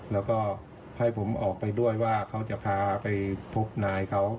แล้วก็ให้ผมออกไปด้วยว่าเขาจะพาไปพบนายเขา